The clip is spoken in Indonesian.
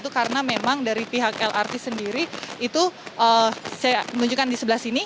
karena memang dari pihak lrt sendiri saya menunjukkan di sebelah sini